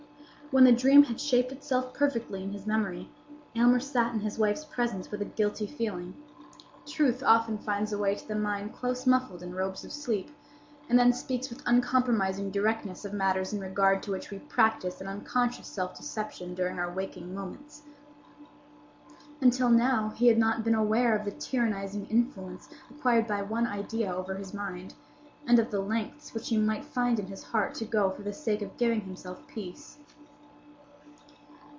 When the dream had shaped itself perfectly in his memory, Aylmer sat in his wife's presence with a guilty feeling. Truth often finds its way to the mind close muffled in robes of sleep, and then speaks with uncompromising directness of matters in regard to which we practise an unconscious self deception during our waking moments. Until now he had not been aware of the tyrannizing influence acquired by one idea over his mind, and of the lengths which he might find in his heart to go for the sake of giving himself peace.